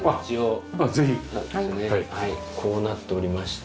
こうなっておりまして。